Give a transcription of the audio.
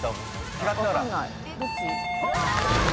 違ったら。